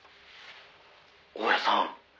「大屋さん